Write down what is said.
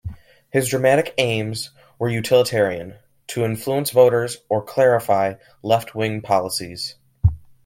His dramatic aims were utilitarian - to influence voters or clarify left-wing policies.